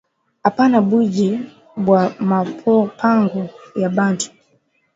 Apana bwiji bwa ma pango ya bantu